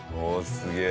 すげえ！